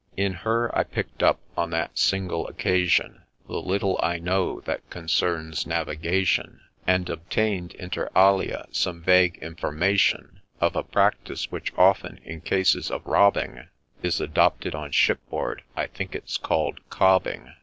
In her I pick'd up, on that single occasion, The little I know that concerns Navigation, And obtained, inter alia, some vague information Of a practice which often, in cases of robbing, Is adopted on shipboard — I think it 's call'd ' cobbing.'